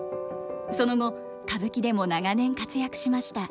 その後歌舞伎でも長年活躍しました。